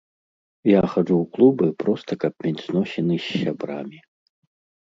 Я хаджу ў клубы проста каб мець зносіны з сябрамі.